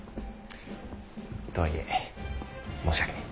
とはいえ申し訳ねぇ。